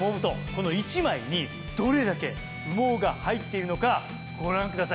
この１枚にどれだけ羽毛が入っているのかご覧ください。